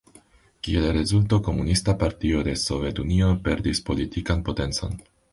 Kiel rezulto Komunista Partio de Sovetunio perdis politikan potencon.